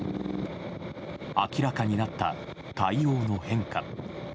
明らかになった対応の変化。